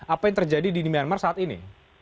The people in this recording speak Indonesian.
apa yang terjadi di myanmar saat ini